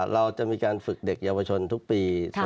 เราจะมีการฝึกเด็กเยาวชนทุกปี